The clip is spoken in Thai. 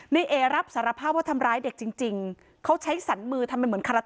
ในเอรับสารภาพว่าทำร้ายเด็กจริงจริงเขาใช้สันมือทำไมเหมือนคารา